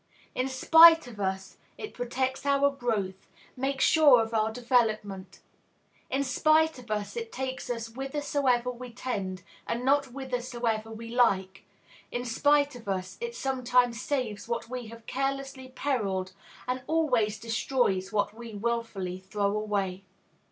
In spite of us, it protects our growth, makes sure of our development. In spite of us, it takes us whithersoever we tend, and not whithersoever we like; in spite of us, it sometimes saves what we have carelessly perilled, and always destroys what we wilfully throw away.